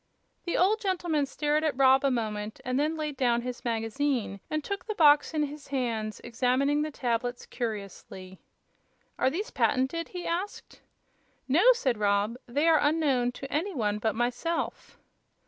The old gentleman stared at Rob a moment and then laid down his magazine and took the box in his hands, examining the tablets curiously. "Are these patented?" he asked. "No," said Rob; "they are unknown to any one but myself."